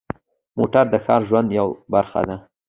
موټر د ښاري ژوند یوه برخه ده.